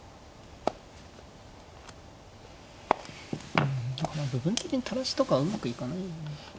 うん部分的に垂らしとかはうまくいかないんですよね。